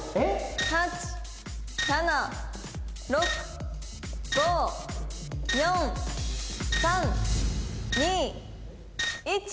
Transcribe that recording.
８７６５４３２１。